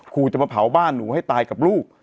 ครูจะมาเผาบ้านหนูให้ตายกับลูก